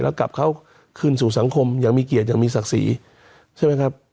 แล้วกลับเขาคืนสู่สังคมอย่างมีเกียรติอย่างมีศักดิ์ศรีใช่ไหมครับ